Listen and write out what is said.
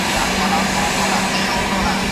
د کړنو او خبرو په شفافیت موقف ټینګ کېږي.